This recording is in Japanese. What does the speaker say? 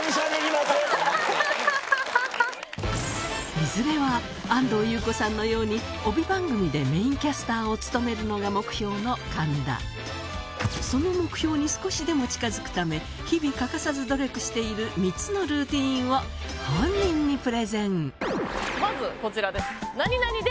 いずれは安藤優子さんのようにの神田その目標に少しでも近づくため日々欠かさず努力している３つのルーティンを本人にプレゼンまずこちらです。